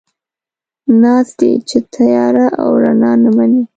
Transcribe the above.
ناز دی، چې تياره او رڼا نه مني